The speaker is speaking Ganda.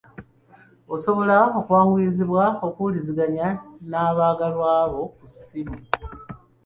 Osobola okwanguyizibwa okuwuliziganya n'abaagalwabo ku ssimu.